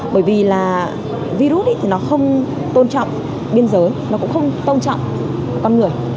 bởi vì là virus thì nó không tôn trọng biên giới nó cũng không tôn trọng con người